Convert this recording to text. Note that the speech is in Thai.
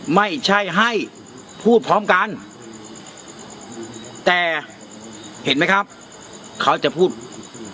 ไม่ใช่ให้พูดพร้อมกันแต่เห็นไหมครับเขาจะพูด